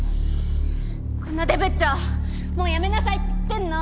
このデブっちょもうやめなさいって言ってんの。